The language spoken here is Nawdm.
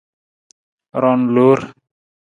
Roon loor.